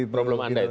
problem anda itu